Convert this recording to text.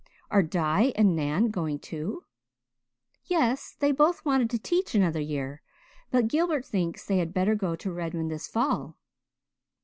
Are Di and Nan going too?" "Yes. They both wanted to teach another year but Gilbert thinks they had better go to Redmond this fall."